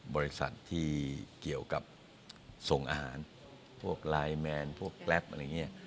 บริษัทที่เกี่ยวกับส่งอาหารพวกไลน์แมนพวกแกรปอะไรอย่างนี้